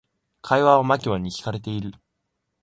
会話はマキマに聞かれている。